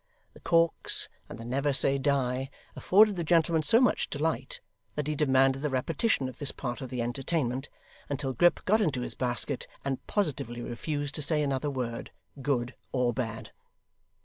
The corks, and the never say die, afforded the gentleman so much delight that he demanded the repetition of this part of the entertainment, until Grip got into his basket, and positively refused to say another word, good or bad.